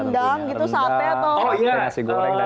ngerendang gitu sate atau